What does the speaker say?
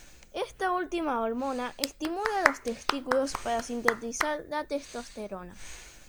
Esta última hormona estimula los testículos para sintetizar la testosterona.